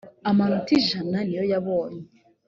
amanota ijana niyoyabonye.